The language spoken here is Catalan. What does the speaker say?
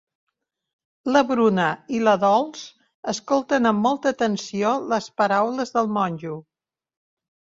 La Bruna i la Dols escolten amb molta atenció les paraules del monjo.